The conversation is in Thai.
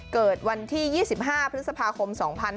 เกิดวันที่๒๕พฤษภาคม๒๕๕๙